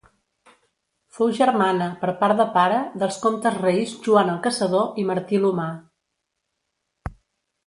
Fou germana, per part de pare, dels comtes-reis Joan el Caçador i Martí l'Humà.